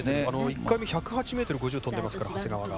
１回目、１０８ｍ５０飛んでますから、長谷川が。